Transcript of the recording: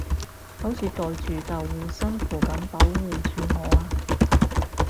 好似袋住道護身符噉保護住我啊